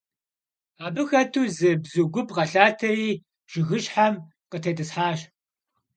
Abı xetu zı bzu gup khelhateri jjıgışhem khıtêt'ıshaş.